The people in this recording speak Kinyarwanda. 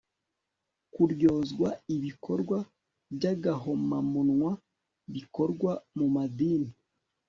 kuryozwa ibikorwa by'agahomamunwa bikorwa mu madini